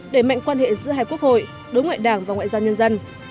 để mạnh quan hệ giữa hai quốc hội đối ngoại đảng và ngoại giao nhân dân